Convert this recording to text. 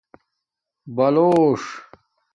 بلݸݽ